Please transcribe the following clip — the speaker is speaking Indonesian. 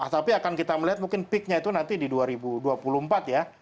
tapi akan kita melihat mungkin peaknya itu nanti di dua ribu dua puluh empat ya